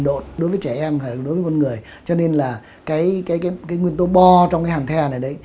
độ đối với trẻ em đối với con người cho nên là cái nguyên tố bo trong cái hàng the này đấy